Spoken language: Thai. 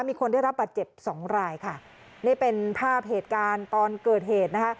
มีคนได้รับบาดเจ็บสองรายค่ะนี่เป็นภาพเหตุการณ์ตอนเกิดเหตุนะคะ